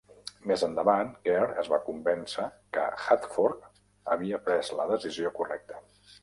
Més endavant, Gere es va convèncer que Hackford havia pres la decisió correcta.